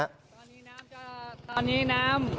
ตอนนี้น้ำจะตอนนี้น้ำ